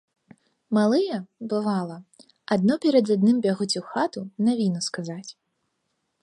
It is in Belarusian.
Малыя, бывала, адно перад адным бягуць у хату навіну сказаць.